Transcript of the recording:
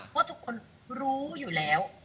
เพราะทุกคนรู้อยู่แล้ว